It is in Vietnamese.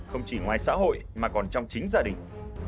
không chỉ ngoài xã hội mà còn trong chính gia đình